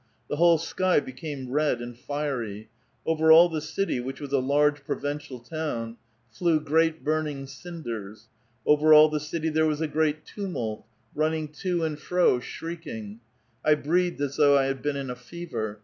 The whole sky became red and fiery ; over all the city, which was a large provincial town, flew great burning cinders. Over all the city there was a great tumult, running to and fro, shrieks. I breathed as though I had been in a fever.